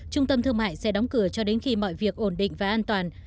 trung tâm thương mại sẽ đóng cửa cho đến khi mọi việc ổn định và an toàn